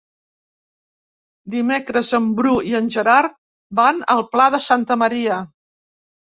Dimecres en Bru i en Gerard van al Pla de Santa Maria.